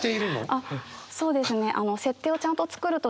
あっそうですね。